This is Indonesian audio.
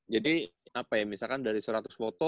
jadi apa ya misalkan dari seratus foto